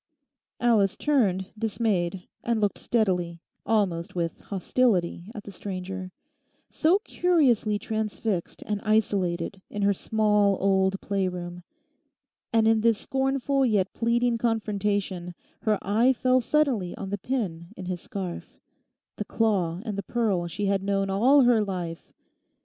Alice turned, dismayed, and looked steadily, almost with hostility, at the stranger, so curiously transfixed and isolated in her small old play room. And in this scornful yet pleading confrontation her eye fell suddenly on the pin in his scarf—the claw and the pearl she had known all her life.